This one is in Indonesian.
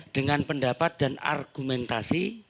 dengan pendapat dan argumentasi